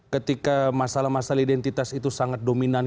ketika masalah masalah identitas itu sangat dominan